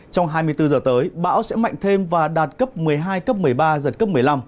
trong hai mươi bốn giờ tới bão sẽ mạnh thêm và đạt cấp một mươi hai cấp một mươi ba giật cấp một mươi năm